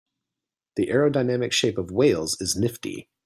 The aerodynamic shape of whales is nifty.